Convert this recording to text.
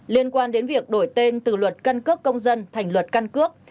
liên quan đến việc đổi tên từ luật căn cước công dân thành luật căn cước